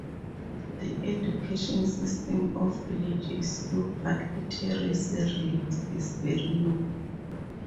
The education system of Village is good but literacy rate is very low.